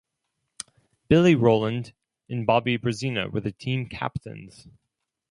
Billy Roland and Bobby Brezina were the team captains.